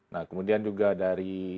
nah kemudian juga dari